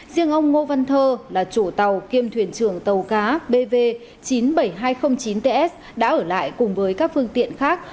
riêng ông ngô văn thơ là chủ tàu kiêm thuyền trưởng tàu cá bv chín mươi bảy nghìn hai trăm linh chín ts đã ở lại cùng với các phương tiện khác